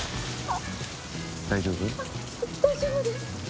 あっ大丈夫です。